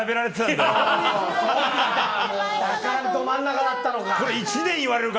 だから、ど真ん中だったのか。